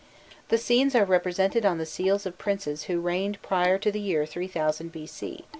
The scenes are represented on the seals of princes who reigned prior to the year 3000 B.C.